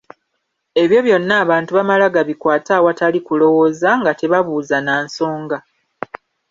Ebyo byonna abantu bamala gabikwata awatali kulowooza, nga tebabuuza na nsonga.